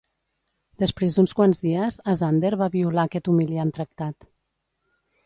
Després d'uns quants dies, Asander va violar aquest humiliant tractat.